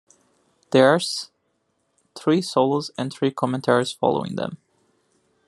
There are three solos and three commentaries following them.